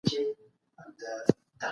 د استاد ليکنې د سياسي بحثونو لپاره مهمې دي.